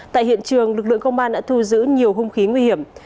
tại hiện trường lực lượng công an đã thu giữ nhiều hung khí nguy hiểm